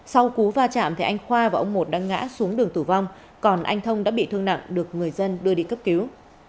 sau cú va chạm anh khoa và ông một đã ngã xuống đường tử vong còn anh thông đã bị thương nặng được người dân đưa đi cấp cứu